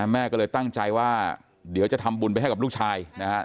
แม่ก็เลยตั้งใจว่าเดี๋ยวจะทำบุญไปให้กับลูกชายนะครับ